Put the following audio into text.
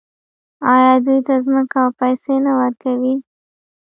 آیا دوی ته ځمکه او پیسې نه ورکوي؟